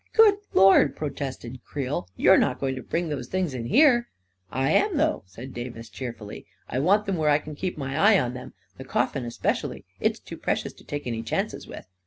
"Good Lord!" protested Creel. "You're not going to bring those things in here 1 "" I am, though," said Davis, cheerfully. " I want them where I can keep my eye on them — the coffin especially. It's too precious to take any chances with